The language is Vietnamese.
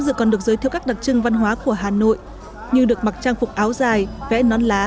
dự còn được giới thiệu các đặc trưng văn hóa của hà nội như được mặc trang phục áo dài vẽ nón lá